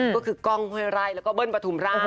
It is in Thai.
ก็คือกล้องเฮ้ยไร้แล้วก็เบิ้ลประถุมรา